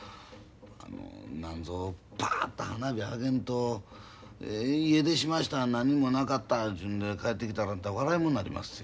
なんぞパッと花火あげんと家出しました何もなかったちゅうんで帰ってきたら笑いもんになりまっせ。